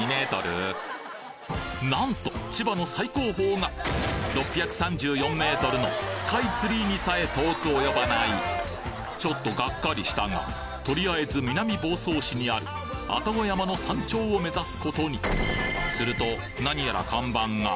何と千葉の最高峰が６３４ｍのスカイツリーにさえ遠く及ばないちょっとがっかりしたがとりあえず南房総市にある愛宕山の山頂を目指すことにすると何やら看板が。